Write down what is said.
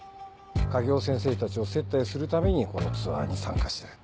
影尾先生たちを接待するためにこのツアーに参加してる。